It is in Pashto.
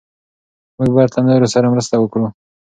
موږ باید له نورو سره مرسته وکړو.